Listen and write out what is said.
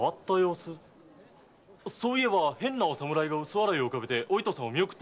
そういえば変なお侍が薄笑いでお糸さんを見送っていました。